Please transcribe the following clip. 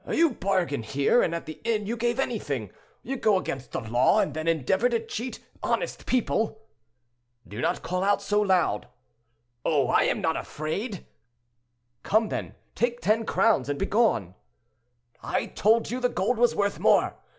"You bargain here, and at the inn you gave anything; you go against the law and then endeavor to cheat honest people."—"Do not call out so loud." "Oh! I am not afraid." "Come, then, take ten crowns and begone." "I told you the gold was worth more.